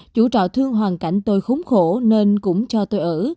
chủ trọ thương hoàn cảnh tôi khốn khổ nên cũng cho tôi ở